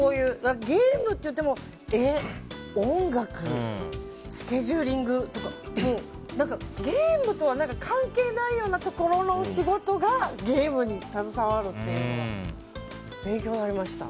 ゲームといっても絵、音楽、スケジューリングとかゲームとは関係ないようなところの仕事がゲームに携わるというのが勉強になりました。